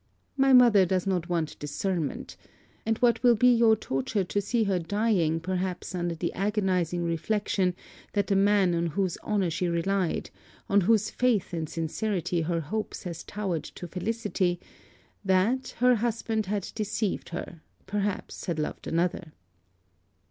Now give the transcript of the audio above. My mother does not want discernment: and what will be your torture to see her dying perhaps under the agonizing reflection that the man on whose honour she relied, on whose faith and sincerity her hopes had towered to felicity, that, her husband had deceived her, perhaps had loved another.'